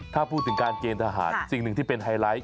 ถ้าพูดถึงการเกณฑ์ทหารสิ่งหนึ่งที่เป็นไฮไลท์